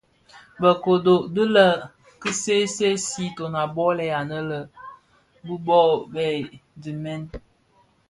Bë kōdō ti lè ki see see siiton a bolè anë bi bon bë dimèn.